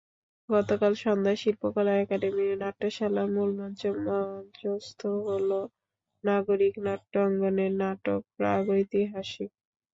গতকাল সন্ধ্যায় শিল্পকলা একাডেমীর নাট্যশালার মূলমঞ্চে মঞ্চস্থ হলো নাগরিক নাট্যাঙ্গনের নাটক প্রাগৈতিহাসিক।